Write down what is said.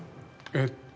えっ？